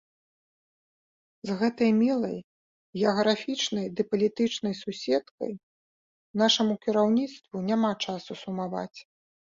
З гэтай мілай геаграфічнай ды палітычнай суседкай нашаму кіраўніцтву няма часу сумаваць.